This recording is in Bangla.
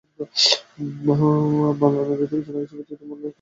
মামলার নথি থেকে জানা গেছে, প্রত্যেকটি মামলায় পুলিশ আদালতে অভিযোগপত্র জমা দিয়েছেন।